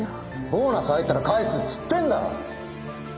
ボーナス入ったら返すっつってんだろ！